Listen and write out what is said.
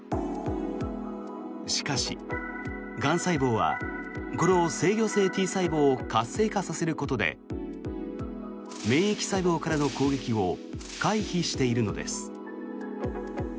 しかし、がん細胞はこの制御性Ｔ細胞を活性化させることで免疫細胞からの攻撃を回避しているのです。